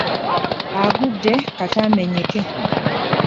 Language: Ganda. Agudde kata amenyeke.